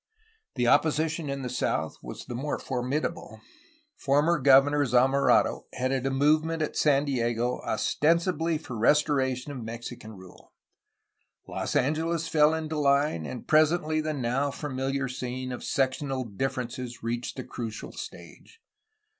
The opposition in the south was the more formidable. Former Governor Zamorano headed a move 476 A HISTORY OF CALIFORNIA ment at San Diego ostensibly for restoration of Mexican rule. Los Angeles fell into line, and presently the now familiar scene of sectional differences reached the crucial stage.